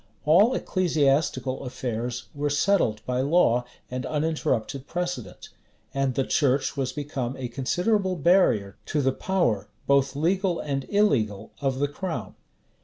All ecclesiastical affairs were settled by law and uninterrupted precedent; and the church was become a considerable barrier to the power, both legal and illegal, of the crown.